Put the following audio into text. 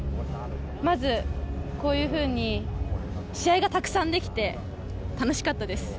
まず、こういうふうに試合がたくさんできて楽しかったです。